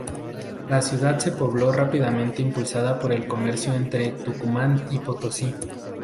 La ciudad se pobló rápidamente, impulsada por el comercio entre el Tucumán y Potosí.